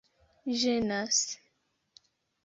ĝenas